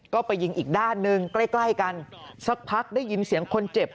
ก็ไปยิงอีกด้านหนึ่งใกล้ใกล้กันสักพักได้ยินเสียงคนเจ็บ